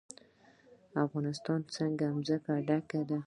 افغانستان له ځمکه ډک دی.